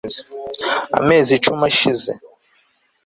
amezi icumi ashize